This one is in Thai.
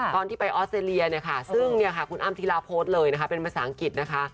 ตอนที่ไปออสเตรเลียเนี่ยค่ะซึ่งเนี่ยค่ะคุณอ้ำธีลาโพสต์เลยนะคะเป็นภาษาอังกฤษนะคะ